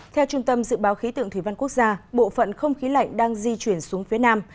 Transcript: theo trung tâm dự báo khí tượng thủy văn quốc gia bộ phận không khí lạnh đang di chuyển xuống phía nam